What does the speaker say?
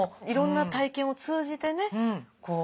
いろんな体験を通じてね